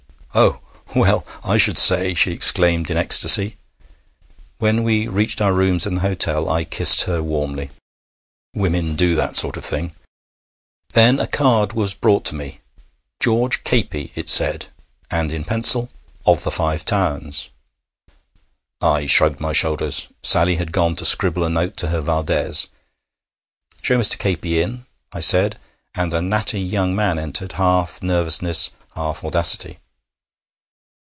'Oh! well, I should say!' she exclaimed in ecstasy. When we reached our rooms in the hotel I kissed her warmly. Women do that sort of thing. Then a card was brought to me. 'George Capey,' it said; and in pencil, 'Of the Five Towns.' I shrugged my shoulders. Sally had gone to scribble a note to her Valdès. 'Show Mr. Capey in,' I said, and a natty young man entered, half nervousness, half audacity.